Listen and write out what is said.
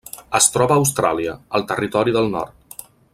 Es troba a Austràlia: el Territori del Nord.